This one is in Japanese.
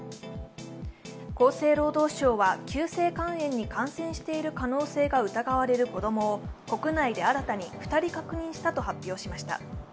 厚生労働省は急性肝炎に感染している可能性のある子供を国内で新たに２人確認したと発表しました。